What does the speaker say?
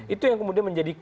itu yang kemudian menjadi